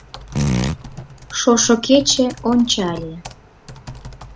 Шошо кече ончале: